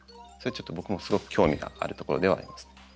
それちょっと僕もすごく興味があるところではあります。